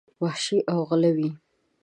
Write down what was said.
وحشي او غلي وې.